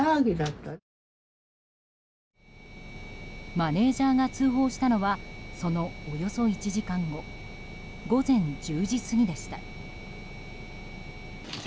マネジャーが通報したのはそのおよそ１時間後午前１０時過ぎでした。